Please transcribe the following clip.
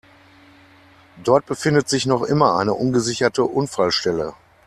Dort befindet sich noch immer eine ungesicherte Unfallstelle.